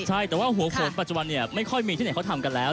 ใช่แต่ว่าหัวโขนปัจจุบันเนี่ยไม่ค่อยมีที่ไหนเขาทำกันแล้ว